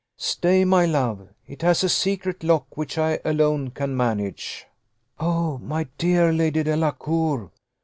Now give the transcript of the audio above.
"Stay, my love; it has a secret lock, which I alone can manage." "Oh, my dear Lady Delacour!"